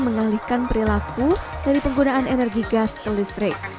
mengalihkan perilaku dari penggunaan energi gas ke listrik